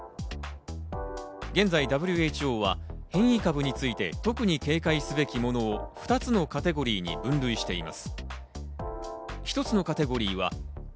現在、ＷＨＯは変異株について特に警戒すべきものを２つのカテゴリーに分類しています。